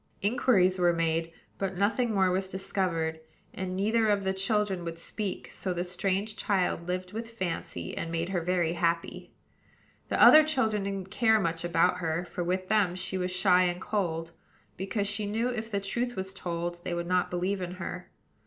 Inquiries were made; but nothing more was discovered, and neither of the children would speak: so the strange child lived with Fancy, and made her very happy. The other children didn't care much about her; for with them she was shy and cold, because she knew, if the truth was told, they would not believe in her.